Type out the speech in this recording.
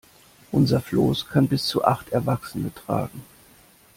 Unser Floß kann bis zu acht Erwachsene tragen.